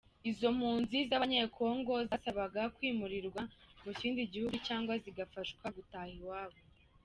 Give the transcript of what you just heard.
Izo mpunzi z’Abanyekongo zasabaga kwimurirwa mu kindi gihugu cyangwa zigafashwa gutaha iwabo.